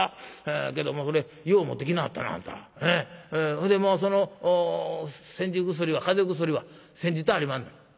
ほいでもうその煎じ薬は風邪薬は煎じてありまんの？